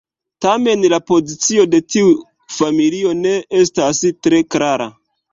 Tamen la pozicio de tiu familio ne estas tre klara.